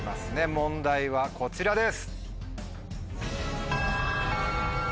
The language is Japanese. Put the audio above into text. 問題はこちらです。